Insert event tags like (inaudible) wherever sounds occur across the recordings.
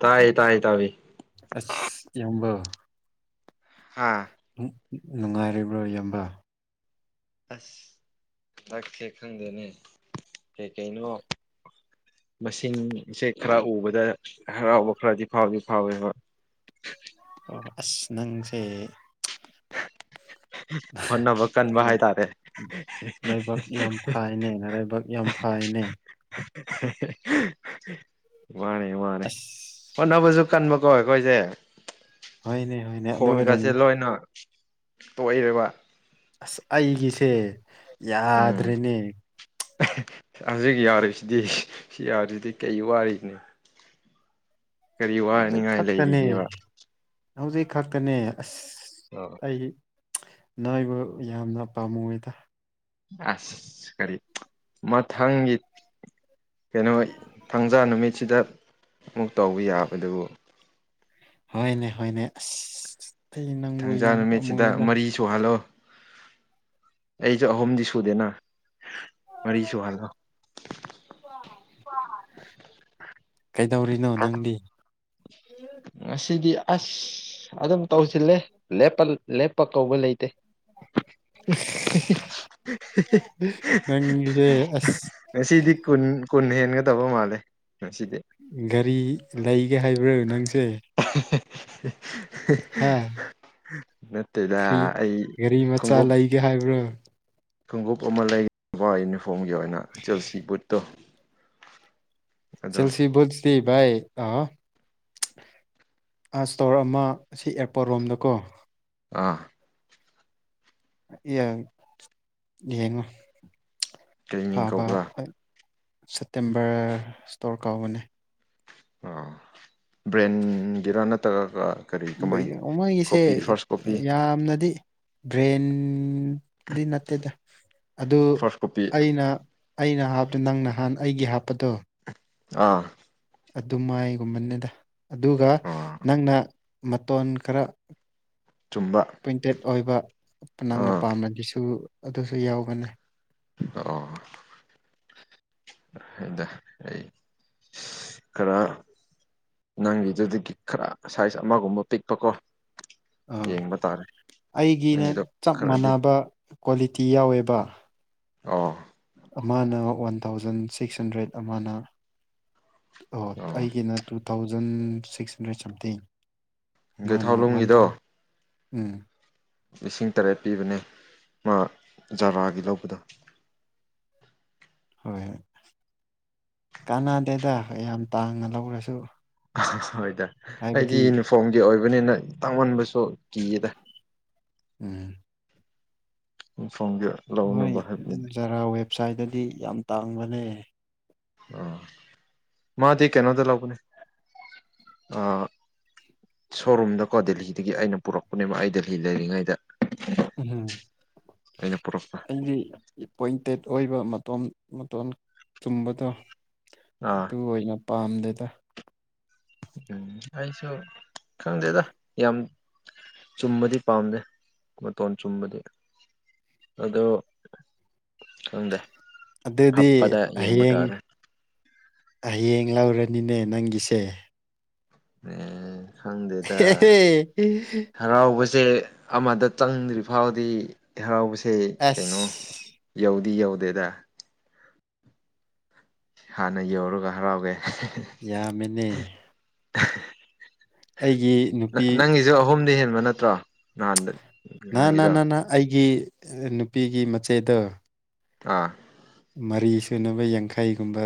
ꯇꯥꯏ ꯇꯥꯏ ꯇꯥꯏꯌꯦ ꯑꯁ ꯏꯌꯥꯝꯕꯧ ꯍꯥ ꯅꯨꯡꯉꯥꯏꯔꯤꯕ꯭ꯔꯥ ꯏꯌꯥꯝꯕ ꯑꯁ ꯍꯟꯗꯛꯁꯦ ꯈꯪꯗꯦꯅꯦ ꯀꯩ ꯀꯩꯅꯣ ꯃꯁꯤꯡꯁꯦ ꯈꯔ ꯎꯕꯗ ꯍꯔꯥꯎꯕ ꯈꯔꯗꯤ ꯐꯥꯎꯗꯤ ꯐꯥꯎꯋꯦꯕ ꯑꯣ ꯑꯁ ꯅꯪꯁꯦ ꯍꯣꯠꯅꯕ ꯀꯟꯕ ꯂꯥꯏ- ꯍꯥꯏꯇꯥꯔꯦ ꯂꯥꯏꯕꯛ ꯌꯥꯝ ꯐꯥꯏꯅꯦ ꯂꯥꯏꯕꯛ ꯌꯥꯝ ꯐꯥꯏꯅꯦ (unintelligible) ꯃꯥꯅꯦ ꯃꯥꯅꯦꯦ ꯑꯁ ꯍꯣꯠꯅꯕꯁꯨ ꯀꯟꯕꯀꯣ ꯑꯩꯈꯣꯏꯁꯦ ꯍꯣꯏꯅꯦ ꯍꯣꯏꯅꯦ ꯑꯗꯨ ꯈꯣꯟꯒꯁꯦ ꯑꯣꯏꯔꯝꯒꯅꯤ ꯂꯣꯏꯅ ꯇꯣꯛꯏꯔꯕ ꯑꯁ ꯑꯩꯒꯤꯁꯦ ꯎꯝ ꯌꯥꯗ꯭ꯔꯦꯅꯦ ꯍꯧꯖꯤꯛ ꯌꯥꯔꯤꯁꯤꯗꯤ ꯁꯤ ꯌꯥꯔꯤꯁꯤꯗꯤ ꯀꯩ ꯋꯥꯔꯤꯅꯤ ꯍꯧꯖꯤꯛ ꯋꯥꯅꯤꯡꯉꯥꯏ ꯈꯛꯇꯅꯦ ꯂꯩꯔꯤꯒꯦꯕ ꯍꯧꯖꯤꯛ ꯈꯛꯇꯅꯦ ꯑꯁ ꯑꯣ ꯑꯩ ꯅꯣꯏꯕꯨ ꯌꯥꯝꯅ ꯄꯥꯝꯃꯨꯦꯗ ꯑꯁ ꯀꯔꯤ ꯃꯊꯪꯒꯤ ꯀꯩꯅꯣ ꯊꯥꯡꯖꯥ ꯅꯨꯃꯤꯠꯁꯤꯗ ꯑꯃꯨꯛ ꯇꯧꯕ ꯌꯥꯕ ꯗꯨꯕꯨ ꯍꯣꯏꯅꯦ ꯍꯣꯏꯅꯦ ꯑꯁ ꯐꯩ ꯅꯪꯕꯨ ꯊꯥꯡꯖꯥ ꯌꯥꯝ ꯅꯨꯃꯤꯠꯁꯤꯗ ꯄꯥꯝꯃꯨꯣꯏꯗ ꯃꯔꯤ ꯁꯨꯍꯜꯂꯣ ꯑꯩꯁꯨ ꯑꯍꯨꯝꯗꯤ ꯁꯨꯗꯦꯅ ꯃꯔꯤ ꯁꯨꯍꯜꯂꯣ ꯀꯩꯗꯧꯔꯤꯅꯣ ꯅꯪꯗꯤ ꯉꯥꯁꯤꯗꯤ ꯑꯁ ꯑꯗꯨꯝ ꯇꯧꯁꯤꯜꯂꯦꯞꯄ ꯂꯦꯞꯄ ꯀꯧꯕ ꯂꯩꯇꯦ ꯅꯪꯒꯤꯁꯦ ꯑꯁ (unintelligible) ꯉꯁꯤꯗꯤ ꯀꯨꯟ ꯀꯨꯟ ꯍꯦꯟꯒꯗꯕ ꯃꯥꯜꯂꯦ ꯉꯁꯤꯗꯤ ꯒꯥꯔꯤ ꯂꯩꯒꯦ ꯍꯥꯏꯕ꯭ꯔꯥ ꯅꯪꯁꯦ ꯍꯥ (unintelligible) ꯅꯠꯇꯦꯗ ꯑꯩ ꯈꯣꯡꯎꯞ ꯦ ꯍꯥꯏꯕ꯭ꯔꯥ ꯈꯣꯡꯎꯞ ꯑꯃ ꯂꯩꯒꯕ ꯌꯨꯅꯤꯐꯣꯔꯝꯒꯤ ꯑꯣꯏꯅ ꯖꯦꯜꯁꯤ ꯕꯨꯠꯇꯣ ꯑꯗꯣ ꯆꯦꯜꯁꯤ ꯣꯠꯂꯤ ꯥꯏ ꯑ ꯑꯥ ꯏꯁꯇꯣꯔ ꯑꯃ ꯁꯤ ꯑꯦꯔꯄꯣꯔꯠ ꯔꯣꯝꯗꯀꯣ ꯑꯥ ꯌꯦꯡꯉꯣ ꯀꯔꯤ ꯃꯤꯡ ꯐꯕ ꯀꯧꯕ꯭ꯔꯥ ꯍ ꯁꯦꯞꯇꯦꯝꯕꯔ ꯁꯇꯣꯔ ꯀꯥꯎꯕꯅꯦ ꯑꯣ ꯕ꯭ꯔꯦꯟꯒꯤꯔꯥ ꯅꯠꯇ꯭ꯔꯒꯀ ꯃꯃꯪꯒꯤꯁꯦ ꯌꯥꯝꯅꯗꯤ ꯕ꯭ꯔꯦꯟꯗꯤ ꯅꯠꯇꯦꯗ ꯑꯗꯨ ꯐꯥꯔꯁ ꯀꯣꯄꯤ ꯑꯩꯅ ꯑꯩꯅ ꯍꯥꯞꯇ ꯅꯪ ꯅꯍꯥꯟ ꯑꯩꯒꯤ ꯍꯥꯞꯄꯗꯣ ꯑꯥ ꯑꯗꯨꯃꯥꯏꯒꯨꯝꯕꯅꯤꯗ ꯑꯗꯨꯒ ꯑꯥ ꯅꯪꯅ ꯃꯇꯣꯟ ꯈꯔ ꯆꯨꯝꯕ ꯄ꯭ꯔꯤꯟꯇꯦꯠ ꯑꯣꯏꯕ ꯅꯪꯅ ꯑꯥ ꯄꯥꯝꯅꯕꯤꯁꯨ ꯑꯗꯨꯁꯨ ꯌꯥꯎꯒꯅꯤ ꯑꯣ ꯑꯗ ꯑꯩ ꯈꯔ ꯅꯪꯒꯤꯗꯨꯗꯒꯤ ꯈꯔ ꯁꯥꯏꯖ ꯑꯃꯒꯨꯝꯕ ꯄꯤꯛꯄꯀꯣ ꯑꯥ ꯌꯦꯡꯕ ꯇꯥꯔꯦ ꯑꯩꯒꯤꯅ ꯅꯪꯒꯤꯗꯣ ꯆꯞ ꯈꯔꯗꯤ ꯃꯥꯟꯅꯕ ꯀ꯭ꯋꯥꯂꯤꯇꯤ ꯌꯥꯎꯋꯦꯕ ꯑꯣ ꯑꯃꯅ ꯋꯥꯟ ꯊꯥꯎꯖꯟ ꯁꯤꯛꯁ ꯍꯟꯗ꯭ꯔꯦꯠ ꯑꯃꯅ ꯑꯣ ꯑꯩꯒꯤꯅ two thousand six hundred something ꯃꯥꯅ ꯒꯩꯊꯥꯎ ꯋꯥꯟ ꯂꯨꯝꯒꯤꯗꯣ ꯊꯥꯎ ꯎꯝ ꯂꯤꯁꯤꯡ ꯇꯔꯦꯠ ꯄꯤꯕꯅꯦ ꯃꯥ ꯖꯥꯔꯥꯒꯤ ꯂꯧꯕꯗꯣ ꯍꯣꯏꯣꯏ ꯀꯥꯟꯅꯗꯦꯗ ꯌꯥꯝ ꯇꯥꯡꯅ ꯂꯧꯔꯁꯨ ꯍꯣꯏꯗ ꯍꯥꯏꯕꯗꯤ ꯑꯩꯗꯤ ꯌꯨꯅꯤꯐꯣꯔꯝꯒꯤ ꯑꯣꯏꯕꯅꯤꯅ ꯇꯥꯡꯉꯟꯕꯁꯨ ꯀꯤꯌꯦꯗ ꯎꯝ ꯐꯣꯡꯒꯤ ꯂꯧꯅꯕ ꯍꯥꯏꯕꯅꯤꯅ ꯈꯔ ꯋꯦꯕꯁꯥꯏꯠꯇꯗꯤ ꯌꯥꯝ ꯇꯥꯡꯕꯅꯦ ꯑꯥ ꯃꯥꯗꯤ ꯀꯩꯅꯣꯗ ꯂꯧꯕꯅꯦ ꯑꯥ ꯁꯣꯔꯨꯝꯗꯀꯣ ꯗꯦꯜꯂꯤꯗꯒꯤ ꯑꯩꯅ ꯄꯨꯔꯛꯄꯅꯦꯕ ꯑꯩ ꯗꯦꯜꯂꯤ ꯂꯩꯔꯤꯉꯩꯗ ꯎꯝ ꯑꯩꯅ ꯄꯨꯔꯛꯄ ꯑꯩꯗꯤ ꯑꯦꯄꯣꯏꯟꯇꯦꯠ ꯑꯣꯏꯕ ꯃꯇꯝ ꯃꯇꯣꯟ ꯆꯨꯝꯕꯗꯣ ꯑꯥ ꯑꯗꯨ ꯑꯣꯏꯅ ꯄꯥꯝꯗꯦꯗ ꯎꯝ ꯑꯩꯁꯨ ꯈꯪꯗꯦꯗ ꯌꯥꯝ ꯆꯨꯝꯕꯗꯤ ꯄꯥꯝꯗꯦ ꯃꯇꯣꯟ ꯆꯨꯝꯕꯗꯤ ꯑꯗꯣ ꯊꯪꯗꯦ ꯑꯗꯨꯗꯤ ꯍꯌꯦꯡ ꯍꯌꯦꯡ ꯂꯧꯔꯅꯤꯅꯦ ꯅꯪꯒꯤꯁꯦ ꯑꯦ ꯈꯪꯗꯦꯗꯥ ꯍꯦ ꯍꯦ ꯍꯔꯥꯎꯕꯁꯦ ꯑꯃꯗ ꯆꯪꯗ꯭ꯔꯤ ꯐꯥꯎꯗꯤ ꯍꯔꯥꯎꯕꯁꯦ ꯀꯩꯅꯣ ꯑꯁ ꯌꯧꯗꯤ ꯌꯧꯗꯦꯗ ꯍꯥꯟꯅ ꯌꯧꯔꯒ ꯍꯔꯥꯎꯒꯦ ꯌꯥꯝꯃꯤꯅꯦ ꯑꯩꯒꯤ ꯅꯨꯄꯤ ꯅꯪꯒꯤꯁꯨ ꯑꯍꯨꯝꯗꯤ ꯍꯦꯟꯕ ꯅꯠꯇ꯭ꯔꯣ ꯅꯍꯥꯟꯗ ꯅ ꯅ ꯅꯍꯥꯟꯒꯤꯗꯣ ꯅ ꯅ ꯑꯩꯒꯤ ꯅꯨꯄꯤꯒꯤ ꯃꯆꯦꯗꯣ ꯑꯥ ꯃꯔꯤ ꯁꯨꯅꯕ ꯌꯥꯡꯈꯩꯒꯨꯝꯕ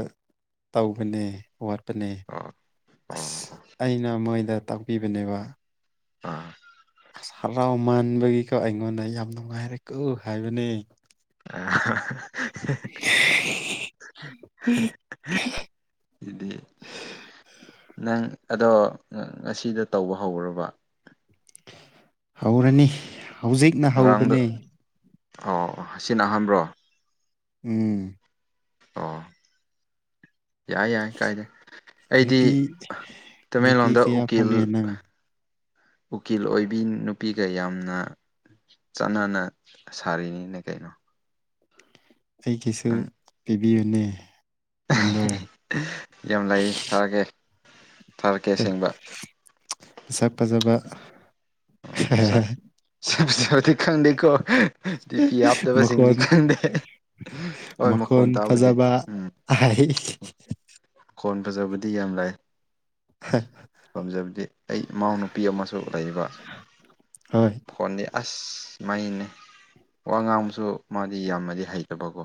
ꯇꯧꯕꯅꯦ ꯋꯥꯠ ꯄꯅꯦ ꯑꯣ ꯑꯣ ꯑꯁ ꯑꯩꯅ ꯃꯣꯏꯗ ꯇꯥꯛꯄꯤꯕꯅꯦꯕ ꯑꯥ ꯑꯁ ꯍꯔꯥꯎ ꯃꯥꯟꯕꯒꯤꯀꯣ ꯑꯩꯉꯣꯟꯗ ꯌꯥꯝ ꯅꯨꯡꯉꯥꯏꯔꯦꯀꯣ ꯍꯥꯏꯕꯅꯦ ꯑ ꯏꯗꯦ ꯅꯪ ꯑꯗꯣ ꯉꯁꯤꯗ ꯇꯧꯕ ꯍꯧꯔꯕ ꯍꯧꯔꯅꯤ ꯍꯧꯖꯤꯛꯅ ꯉꯔꯥꯡꯗ ꯍꯧꯕꯅꯦ ꯑꯣ ꯑꯁꯤꯅꯍꯥꯟꯕ꯭ꯔꯣ ꯎꯝ ꯑꯣ ꯌꯥꯏ ꯌꯥꯏ ꯀꯥꯏꯗꯦ ꯑꯩꯗꯤ ꯅꯨꯄꯤ ꯅꯨꯄꯤ ꯇꯃꯦꯡꯂꯣꯡꯗ ꯀꯌꯥ ꯎꯀꯤꯜ ꯐꯪꯉꯦ ꯅꯪ ꯎꯀꯤꯜ ꯑꯣꯏꯕꯤ ꯅꯨꯄꯤꯒ ꯌꯥꯝꯅ ꯆꯥꯟꯅꯅ ꯁꯥꯔꯤꯅꯤꯅꯦ ꯀꯩꯅꯣ ꯑꯩꯒꯤꯁꯨ ꯅꯪ ꯄꯤꯕꯤꯌꯨꯅꯦ ꯑꯃꯥꯔꯛ ꯌꯥꯝ ꯂꯩ ꯊꯥꯔꯛꯀꯦ ꯊꯥꯔꯛꯀꯦ ꯑꯁꯦꯡꯕ ꯁꯛ ꯐꯖꯥꯕ ꯆ ꯁꯥꯊꯤ ꯈꯪꯗꯦꯀꯣ ꯇꯗꯤ ꯄꯤ ꯍꯥꯞꯇꯕꯁꯤꯡꯗꯤ ꯃꯈꯣꯟ ꯈꯪꯗꯦ ꯍꯣꯏ ꯃꯈꯣꯟ ꯇꯥꯕꯗꯤ ꯎꯝ ꯍꯥꯏ ꯈꯣꯟ ꯐꯖꯕꯗꯤ ꯌꯥꯝ ꯂꯩ ꯍ ꯄꯥꯝꯖꯕꯗꯤ ꯑꯩ ꯏꯃꯎ ꯅꯨꯨꯄꯤ ꯑꯃꯁꯨ ꯂꯩꯕ ꯍ ꯐꯣꯟꯗꯤ ꯑꯁ ꯃꯩꯅꯦ ꯋꯥ ꯉꯥꯡꯕꯁꯨ ꯃꯥꯗꯤ ꯌꯥꯝꯅꯗꯤ ꯍꯩꯇꯕꯀꯣ꯫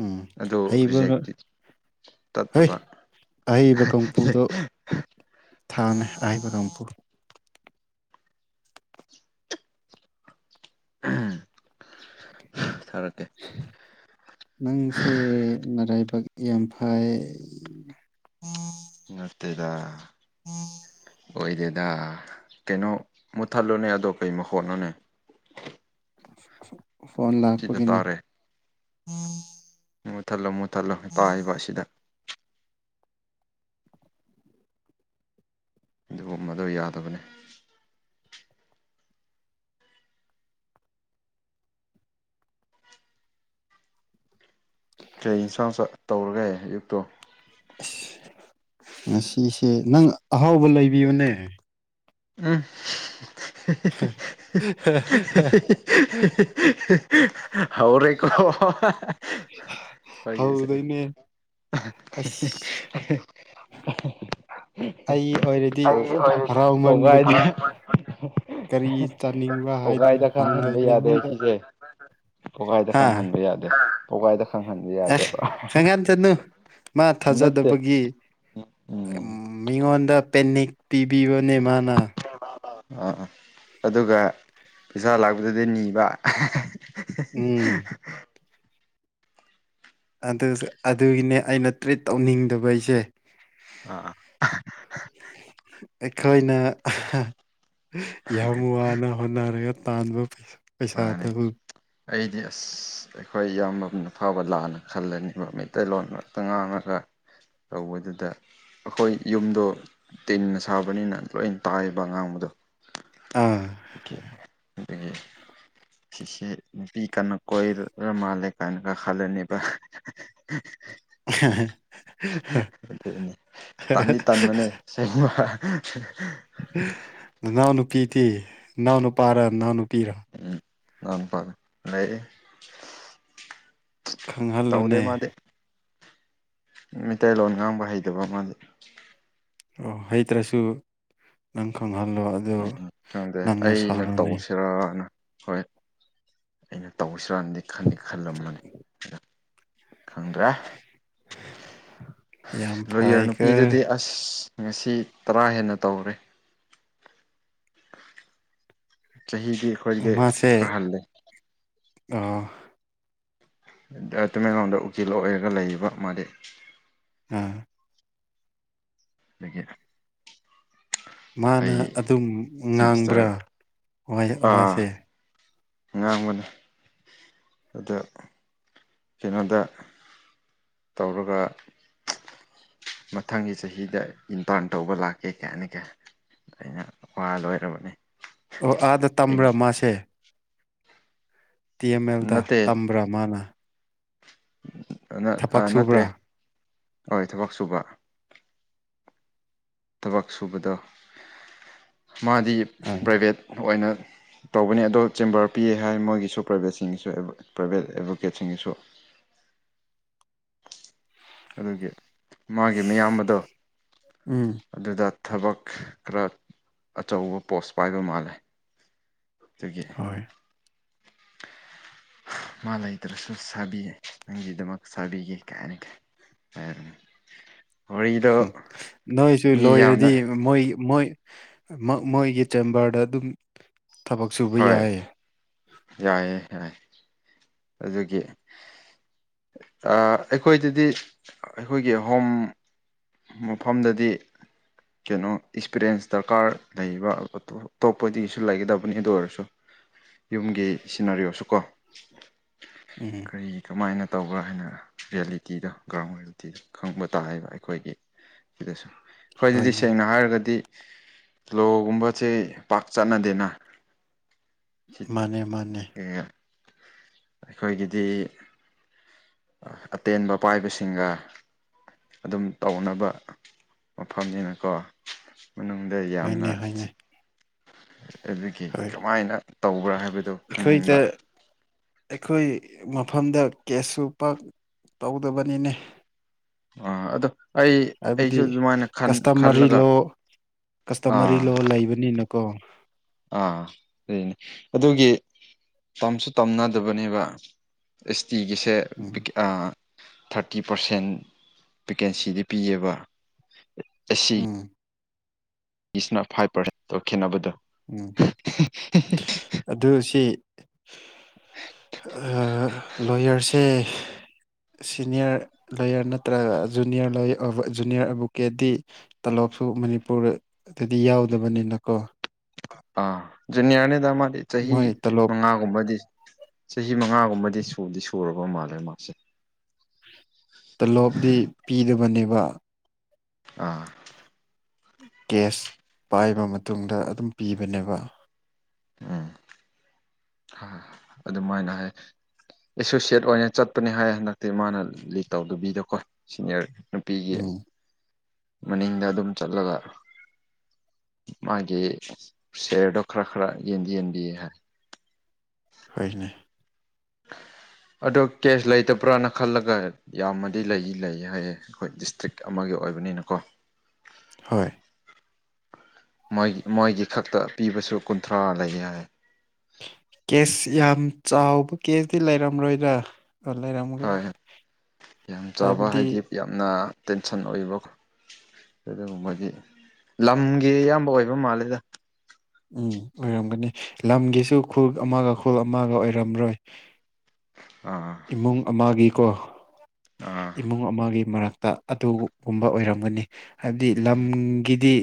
ꯎꯝ ꯑꯗꯣ ꯍꯩꯕ ꯔꯤꯖꯦꯛꯇꯤ ꯍꯣꯏ ꯇꯠꯇꯕ ꯊꯥꯎꯅꯦ ꯑꯍꯩꯕꯔꯝꯄꯨꯔ꯫ ꯊꯥꯔꯛꯀꯦ ꯅꯪꯁꯦ ꯅꯔꯥꯏꯕꯛ ꯌꯥꯝ ꯐꯩ ꯕꯡ꯫ ꯅꯠꯇꯦꯗ꯫ (inaudible) ꯑꯣꯏꯗꯦꯗ ꯀꯩꯅꯣ ꯃꯨꯠꯊꯠꯂꯨꯅꯦ ꯑꯗꯣ ꯀꯩꯃꯣ ꯍꯣꯠꯅꯨꯅꯦ ꯐꯣꯟ ꯁꯤꯗ ꯂꯥꯛꯄꯒꯤꯅꯦ ꯇꯥꯔꯦ ꯃꯨꯠꯊꯠꯂꯣ ꯃꯨꯠꯊꯠꯂ ꯇꯥꯏꯕ ꯑꯁꯤꯗ ꯑꯗꯨꯒꯨꯝꯕꯗꯣ ꯌꯥꯗꯕꯅꯦ ꯀꯩ ꯏꯟꯁꯥꯡ ꯇꯧꯔꯒꯦ ꯑꯌꯨꯛꯇꯣ ꯑꯁ ꯉꯁꯤꯁꯦ ꯅꯪ ꯑꯍꯥꯎꯕ ꯂꯩꯕꯤꯌꯨꯅꯦ꯫ ꯑꯝ ꯍꯦ ꯍꯦ ꯏ꯫ ꯍꯧꯔꯦ ꯍꯧꯗꯣꯏꯅꯦ ꯀꯣ ꯑꯁ (inaudible) ꯑꯩ ꯑꯣꯏꯔꯗꯤ ꯄꯧꯒꯥꯏꯗ ꯍꯔꯥꯎꯃꯟꯕꯒꯤ ꯀꯔꯤ꯫ ꯆꯥꯅꯤꯡꯕ ꯍꯥꯏꯗꯣꯏꯅꯤ ꯄꯒꯥꯏꯗ ꯈꯪꯍꯟꯕ ꯍꯥꯡꯗꯣꯏꯅꯤ ꯌꯥꯗꯦ ꯅꯣꯏꯗ ꯁꯤꯁꯦ ꯄꯒꯥꯏꯗ ꯍꯥ ꯈꯪꯍꯟꯕ ꯌꯥꯗꯦ ꯄꯒꯥꯏꯗ ꯈꯪꯍꯟꯕ ꯑꯦ ꯌꯥꯗꯦꯕ꯫ ꯍꯪꯒꯥꯟ ꯆꯠꯅꯨ ꯃꯥ ꯅꯠꯇꯦ ꯊꯥꯖꯗꯕꯒꯤ ꯎꯝ ꯃꯤꯉꯣꯟꯗ ꯄꯦꯅꯤꯛ ꯄꯤꯕꯤꯕꯅꯦ ꯃꯥꯅ ꯑꯥ ꯑꯗꯨꯒ ꯄꯩꯁꯥ ꯂꯥꯛꯄꯗꯨꯗꯤ ꯅꯤꯕ ꯑꯍ꯫ ꯎꯝ ꯑꯗꯨꯒꯤꯅꯦ ꯑꯩꯅ ꯇ꯭ꯔꯤꯠ ꯇꯧꯅꯤꯡꯗꯕ ꯑꯩꯁꯦ ꯑꯥ꯫ ꯑꯩꯈꯣꯏꯅ ꯑꯍ꯫ ꯌꯥꯝ ꯋꯥꯅ ꯍꯣꯠꯅꯔꯒ ꯇꯥꯟꯕ ꯄꯩꯁꯥ꯫ ꯃꯥꯅꯤ ꯑꯩꯗꯤ ꯑꯁ꯫ ꯑꯩꯈꯣꯏ ꯏꯌꯥꯝꯕꯅ ꯐꯕ ꯂꯥꯟꯅ ꯈꯜꯂꯅꯤꯕ ꯃꯩꯇꯩꯂꯣꯟ ꯉꯛꯇ ꯉꯥꯡꯉꯒ꯫ ꯇꯧꯕꯗꯨꯗ ꯑꯩꯈꯣꯏ ꯌꯨꯝꯗꯣ ꯇꯤꯟꯅ ꯁꯥꯕꯅꯤꯅ ꯂꯣꯏ ꯇꯥꯏꯌꯦꯕ ꯑꯉꯥꯡꯕꯗꯣ꯫ ꯑꯥ ꯑꯩꯏ꯫ ꯁꯤꯁꯦ ꯅꯨꯄꯤ ꯀꯟꯅ ꯀꯣꯏꯔ ꯃꯥꯜꯂꯦ ꯀꯥꯏꯅꯒ ꯈꯜꯂꯅꯦꯕ꯫ ꯑꯍ ꯑꯍ꯫ ꯅꯦ ꯇꯥꯟꯂꯤ ꯇꯥꯟ ꯃ ꯅꯅꯥꯎ ꯅꯨꯄꯤꯗꯤ ꯅꯅꯥꯎ ꯅꯨꯄꯥꯔ ꯅꯅꯥꯎ ꯅꯨꯄꯤꯔ꯫ ꯎꯝ ꯄꯥꯝꯃꯦ ꯄꯥꯝꯃꯦ ꯂꯩꯌꯦ꯫ ꯈꯪꯍꯜꯂꯨꯅꯦ ꯃꯩꯇꯩꯂꯣꯟ ꯉꯥꯡꯕ ꯍꯩꯇꯕ ꯑꯃꯗꯤ ꯍꯩꯇ꯭ꯔꯁꯨ ꯅꯪ ꯈꯪꯍꯜꯂꯣ ꯑꯗꯨ ꯅꯪꯅ ꯑꯩꯅ ꯁꯥꯎꯔꯣꯅꯦ ꯇꯧꯁꯤꯔꯅ ꯍꯣꯏ ꯑꯩꯅ ꯇꯧꯁꯤꯔꯅꯗꯤ ꯈꯗꯤ ꯈꯜꯂꯝꯃꯅꯤ ꯑꯩꯅ ꯈꯪꯗ꯭ꯔꯦ ꯌꯥꯝ ꯂꯣꯌꯔ ꯐꯩꯀꯣ ꯅꯨꯄꯤꯗꯨꯗꯤ ꯑꯁ꯫ ꯉꯁꯤ ꯇꯔꯥ ꯍꯦꯟꯅ ꯇꯧꯔꯦ꯫ ꯆꯍꯤꯍꯤꯗꯤ꯫ ꯃꯥꯁꯦ ꯑꯥ꯫ ꯑꯥ ꯇꯥꯃꯦꯡꯂꯣꯡꯗ ꯎꯀꯤꯜ ꯑꯣꯏꯔꯒ ꯂꯩꯔꯤꯕ ꯃꯥꯗꯤ꯫ ꯎꯝ꯫ ꯑꯗꯒꯤ ꯃꯥꯅ ꯑꯩ ꯑꯗꯨꯝ ꯉꯥꯡꯕ꯭ꯔꯥ ꯁꯤꯃꯤꯁꯇꯔ ꯋꯥ ꯋꯥꯁꯦ꯫ ꯉꯥꯡꯕꯅꯤ ꯑꯗ ꯀꯩꯅꯣꯗ꯫ ꯇꯧꯔꯒ ꯃꯊꯪꯒꯤ ꯆꯍꯤꯗ ꯏꯟꯇꯥꯔꯟ ꯇꯧꯕ ꯂꯥꯛꯀꯦ ꯀꯩ ꯍꯥꯏꯅꯤ ꯀꯩ ꯑꯩꯅ ꯋꯥ ꯂꯣꯏꯔꯕꯅꯤ ꯑꯣ ꯑꯥꯗ ꯇꯝꯕ꯭ꯔꯥ ꯃꯥꯁꯦ꯫ ꯇꯤ ꯑꯦꯝ ꯑꯦꯜꯗ ꯅꯠꯇꯦ ꯇꯝꯕ꯭ꯔꯥ ꯃꯥꯅ ꯊꯕꯛ ꯅꯠꯇꯦ ꯁꯨꯕ꯭ꯔꯥ ꯍꯣꯏ ꯊꯕꯛ ꯁꯨꯕ ꯊꯕꯛ ꯁꯨꯕꯗ ꯃꯥꯗꯤ ꯑꯥ ꯄ꯭ꯔꯥꯏꯚꯦꯠ ꯑꯣꯏꯅ ꯇꯧꯕꯅꯤ ꯑꯗꯣ ꯆꯦꯝꯕꯔ ꯄꯤꯌꯦ ꯍꯥꯏ ꯃꯣꯏꯒꯤꯁꯨ ꯄ꯭ꯔꯥꯏꯕꯦꯠꯁꯤꯡꯒꯤꯁꯨ ꯄ꯭ꯔꯥꯏꯕꯦꯠ ꯑꯦꯗꯚꯣꯀꯦꯠꯁꯤꯡꯒꯤꯁꯨ ꯑꯗꯨꯒꯤ ꯃꯥꯒꯤ ꯃꯌꯥꯝꯕꯗꯣ꯫ ꯎꯝ ꯑꯗꯨꯗ ꯊꯕꯛ ꯈꯔ ꯑꯆꯧꯕ ꯄꯣꯁ ꯄꯥꯏꯕ ꯃꯥꯜꯂꯦ꯫ (unintelligible) ꯍꯣꯏ꯫ (inaudible) ꯃꯥ ꯂꯩꯇ꯭ꯔꯁꯨ ꯁꯥꯕꯤꯌꯦ ꯅꯪꯒꯤꯗꯃꯛ ꯁꯥꯕꯤꯒꯦ ꯀꯥꯏꯅꯒ꯫ ꯋꯥꯔꯤꯗꯣ ꯅꯣꯏꯁꯨ ꯃꯤ ꯌꯥꯝꯅ ꯂꯣꯏꯔꯗꯤ꯫ ꯃꯣꯏ ꯃꯣꯏ ꯃꯣꯏꯒꯤ ꯆꯦꯝꯕꯔꯗ ꯑꯗꯨꯝ ꯊꯕꯛ ꯁꯨꯕ ꯍꯣꯏ ꯌꯥꯏꯌꯦ ꯌꯥꯏꯌꯦ ꯌꯥꯏ ꯑꯗꯨꯒꯤ꯫ ꯑꯥ ꯑꯩꯈꯣꯏꯗꯗꯤ ꯑꯩꯈꯣꯏꯒꯤ ꯍꯣꯝ꯫ ꯃꯐꯝꯗꯗꯤ ꯀꯩꯅꯣ ꯑꯦꯛꯄꯤꯔꯤꯌꯦꯟꯁ ꯗꯔꯀꯥꯔ ꯂꯩꯕ ꯄꯣꯠꯇꯣ ꯑꯇꯣꯞꯄꯗꯒꯤꯁꯨ ꯂꯩꯒꯗꯕꯅꯤ ꯑꯗꯨ ꯑꯣꯏꯔꯁꯨ ꯌꯨꯝꯒꯤ ꯁꯤꯅꯔꯤ ꯑꯣꯏꯔꯁꯨ ꯀꯣ ꯎꯝ꯫ ꯀꯔꯤ ꯀꯃꯥꯏꯅ ꯇꯧꯕ꯭ꯔꯥ ꯍꯥꯏꯅ ꯔꯤꯌꯦꯂꯤꯇꯤꯗ ꯒ꯭ꯔꯥꯎꯟ ꯔꯤꯌꯦꯂꯤꯇꯤꯗ ꯈꯪꯕ ꯇꯥꯏꯕ ꯑꯩꯈꯣꯏꯒꯤ ꯁꯤꯗꯁꯨ ꯑꯩꯈꯣꯏ ꯑꯗꯨꯗꯤ ꯍꯣꯏꯅꯦ ꯁꯦꯡꯅ ꯍꯥꯏꯔꯒꯗꯤ ꯂꯣꯒꯨꯝꯕꯁꯦ ꯄꯥꯛ ꯆꯠꯅꯗꯦꯅ ꯃꯥꯅꯦ ꯃꯥꯅꯦ꯫ ꯑꯩꯈꯣꯏꯒꯤꯗꯤ ꯑꯇꯦꯟꯕ ꯄꯥꯏꯕꯁꯤꯡꯒ꯫ ꯑꯗꯨꯝ ꯇꯧꯅꯕ ꯃꯐꯝꯅꯤꯅꯀꯣ꯫ ꯃꯅꯨꯡꯗ ꯌꯥꯝꯅ꯫ ꯍꯣꯏꯅꯦ ꯍꯣꯏꯅꯦ ꯑꯗꯨꯒꯤ ꯍꯣꯏ ꯀꯃꯥꯏꯅ ꯇꯧꯕ꯭ꯔꯥ ꯍꯥꯏꯕꯗꯨꯣ ꯈꯪꯅꯤꯡꯕ ꯑꯩꯈꯣꯏꯗ ꯑꯩꯈꯣꯏ ꯃꯐꯝꯗ ꯀꯦꯁꯁꯨ ꯄꯥꯛ ꯇꯧꯗꯕꯅꯤꯅꯦ ꯑ ꯑꯗꯣ꯫ ꯑꯩ ꯍꯥꯏꯕꯗꯤ ꯑꯩꯁꯨ ꯑꯗꯨꯃꯥꯏꯅ ꯈꯟ ꯀꯁꯇꯃꯔꯤ ꯈꯜꯂꯒ ꯂꯣ ꯀꯁꯇꯃꯔꯤ ꯑꯥ ꯂꯣ ꯂꯩꯕꯅꯤꯅꯀꯣ꯫ ꯑꯥ ꯅꯦ ꯑꯗꯨꯒꯤ ꯇꯝꯁꯨ ꯇꯝꯅꯗꯕꯅꯦꯕ ꯑꯦꯁ ꯇꯤꯒꯤꯁꯦ ꯎꯝ ꯊꯥꯔꯇꯤ ꯄꯥꯔꯁꯦꯟ ꯚꯦꯀꯦꯟꯁꯤꯗꯤ ꯄꯤꯌꯦꯕ ꯏꯁ꯫ (inaudible) ꯂꯤꯅ ꯐꯥꯏꯚ ꯄꯥꯔꯁꯦꯟꯇ ꯈꯦꯠꯅꯕꯗꯣ ꯎꯝ ꯑꯗꯨ ꯁꯤ ꯂꯣꯌꯔꯁꯦ ꯁꯤꯅꯤꯌꯔ ꯂꯣꯌꯔ ꯅꯠꯇ꯭ꯔꯒ ꯖꯨꯅꯤꯌꯔꯣꯌ ꯖꯨꯅꯤꯌꯔ ꯑꯦꯚꯣꯀꯦꯗꯤ ꯇꯂꯣꯞꯁꯨ ꯃꯅꯤꯄꯨꯔꯗꯗꯤ ꯌꯥꯎꯗꯕꯅꯤꯅꯀꯣ ꯑꯥ ꯖꯨꯅꯤꯌꯥꯔꯅꯤꯗ ꯃꯥꯗꯤ ꯆꯍꯤ ꯃꯣꯏ ꯇꯣꯂꯣꯞ ꯃꯉꯥꯒꯨꯝꯕꯗꯤ ꯆꯍꯤ ꯃꯉꯥꯒꯨꯝꯕꯗꯤ ꯁꯨꯗꯤ ꯁꯨꯔꯕ ꯃꯥꯜꯂꯦ ꯃꯥꯁꯦ꯫ ꯇꯂꯣꯞꯗꯤ ꯄꯤꯗꯕꯅꯦꯕ ꯑꯥ꯫ ꯀꯦꯁ ꯄꯥꯏꯕ ꯃꯇꯨꯡꯗ ꯑꯗꯨꯝ ꯄꯤꯕꯅꯦꯕ ꯎꯝ ꯑꯗꯨꯃꯥꯏꯅ ꯍꯥꯏ ꯑꯦꯁꯣꯁꯤꯌꯦꯠ ꯑꯣꯏꯅ ꯆꯠꯄꯅꯦ ꯍꯥꯏ ꯍꯟꯗꯛꯇꯤ ꯃꯥꯅ ꯂꯤꯠ ꯇꯧꯗꯕꯤꯗꯀꯣ ꯁꯤꯅꯤꯌꯔ ꯅꯨꯄꯤꯒꯤ ꯎꯝ ꯃꯅꯤꯡꯗ ꯑꯗꯨꯝ ꯆꯠꯂꯒ ꯃꯥꯒꯤ ꯁꯦꯌꯔꯗꯣ ꯈꯔ ꯈꯔ ꯌꯦꯟꯗꯤ ꯌꯦꯟꯗꯤ ꯍꯥꯏ ꯍꯣꯏꯅꯦ (inaudible) ꯑꯗꯣ ꯀꯦꯁ ꯂꯩꯇꯕ꯭ꯔꯅ ꯈꯜꯂꯒ ꯌꯥꯝꯃꯗꯤ ꯂꯩ ꯂꯩ ꯍꯥꯏꯌꯦ ꯑꯩꯈꯣꯏ ꯗꯤꯁꯇ꯭ꯔꯤꯛ ꯑꯃꯒꯤ ꯑꯣꯏꯕꯅꯤꯅꯀꯣ ꯍꯣꯏ ꯃꯣꯏꯒꯤ ꯃꯣꯏꯒꯤ ꯈꯛꯇ ꯄꯤꯕꯁꯨ ꯀꯨꯟꯊ꯭ꯔꯥ ꯂꯩ ꯌꯥꯏ ꯀꯦꯁ ꯌꯥꯝ ꯆꯥꯎꯕ ꯀꯦꯁꯇꯤ ꯂꯩꯔꯝꯂꯣꯏꯗ꯭ꯔ ꯂꯩꯔꯝꯃꯒ ꯍꯣꯏ ꯌꯥꯝ ꯆꯥꯕ ꯍꯥꯏꯕꯗꯤ ꯍꯥꯏꯗꯤ ꯌꯥꯝꯅ ꯇꯦꯟꯁꯟ ꯑꯣꯏꯕꯀꯣ ꯑꯗꯨꯒꯕꯣꯏꯒꯤ ꯂꯝꯒꯤ ꯑꯌꯥꯝꯕ ꯑꯣꯏꯕ ꯃꯥꯜꯂꯦꯗ ꯎꯝ ꯑꯣꯏꯔꯝꯒꯅꯤ ꯂꯝꯒꯤꯁꯨ ꯈꯨꯜ ꯑꯃꯒ ꯈꯨꯜ ꯑꯃꯒ ꯑꯣꯏꯔꯝꯔꯣꯏ ꯑꯥ ꯏꯃꯨꯡ ꯑꯃꯒꯤꯀꯣ ꯑꯥ ꯏꯃꯨꯡ ꯑꯃꯒꯤ ꯃꯔꯛꯇ ꯑꯗꯨꯒꯨꯝꯕ ꯑꯣꯏꯔꯝꯒꯅꯤ ꯍꯥꯏꯕꯗꯤ ꯂꯝꯒꯤꯗꯤ